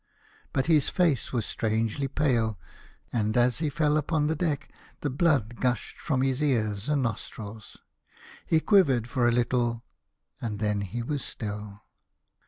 But his face was strangely pale, and as he fell upon the deck the blood pushed from his ears and nostrils. He quivered for a little, and then he was still.